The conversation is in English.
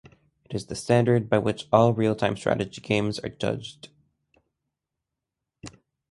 It is the standard by which all real-time strategy games are judged.